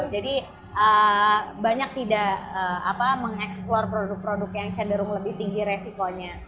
jadi banyak tidak mengeksplore produk produk yang cenderung lebih tinggi resikonya